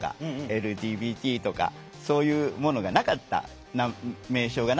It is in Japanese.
ＬＧＢＴとかそういうものがなかった名称がなかったじゃないですか。